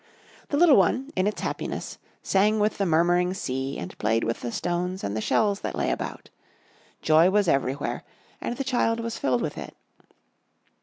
The little one, in its happiness, sang with the murmuring sea and played with the stones and the shells that lay about. Joy was everywhere and the child was filled with it.